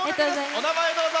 お名前をどうぞ。